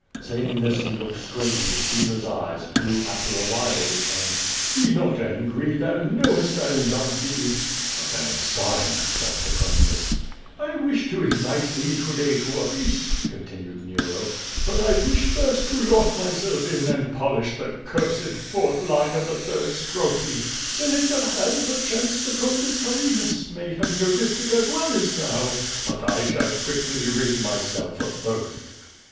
Saying this he looked straight into Caesar's eyes, who, after a while, returned: "Be not angry, thou knowest that I love thee." "A bad sign," thought Petronius. "1 wish to invite thee to day to a feast," continued Nero. "But I wish first to lock myself in and polish the cursed fourth line of the third strophe. Seneca, and, perchance, Secundus Carinus, may have noticed it as well as thou; but I shall quickly rid myself of both."